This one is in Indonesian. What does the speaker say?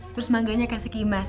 terus mangganya kasih ke imas